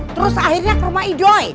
terus akhirnya ke rumah ijoy